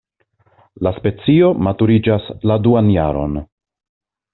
La specio maturiĝas la duan jaron.